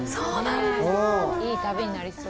いい旅になりそう。